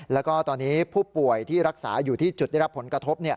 แล้วก็ตอนนี้ผู้ป่วยที่รักษาอยู่ที่จุดได้รับผลกระทบ